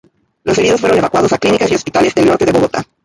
Los heridos fueron evacuados a clínicas y hospitales del norte de Bogotá.